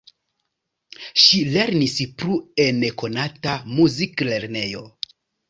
Ŝi lernis plu en konata muziklernejo.